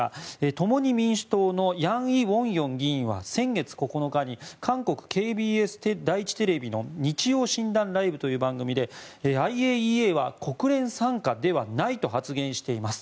共に民主党のヤンイ・ウォンヨン議員は先月９日に韓国、ＫＢＳ第１テレビの「日曜診断ライブ」という番組でＩＡＥＡは国連傘下ではないと発言しています。